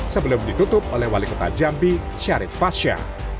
sebelum ditutup oleh wali kota jambi syarif fasha